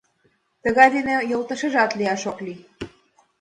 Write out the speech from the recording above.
Тыгай дене йолташыжат лияш ок лий!